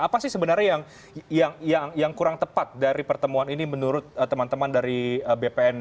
apa sih sebenarnya yang kurang tepat dari pertemuan ini menurut teman teman dari bpn